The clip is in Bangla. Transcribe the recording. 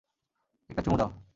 একটা চুমু দাও।